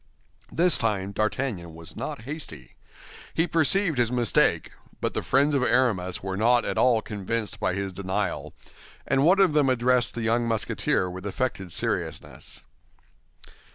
This time D'Artagnan was not hasty. He perceived his mistake; but the friends of Aramis were not at all convinced by his denial, and one of them addressed the young Musketeer with affected seriousness.